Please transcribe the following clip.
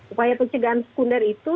upaya pencegahan sekunder itu